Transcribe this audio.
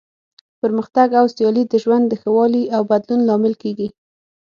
پرمختګ او سیالي د ژوند د ښه والي او بدلون لامل کیږي.